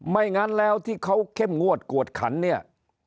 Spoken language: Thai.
งั้นแล้วที่เขาเข้มงวดกวดขันเนี่ย